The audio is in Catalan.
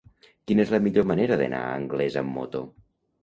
Quina és la millor manera d'anar a Anglès amb moto?